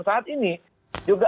saat ini juga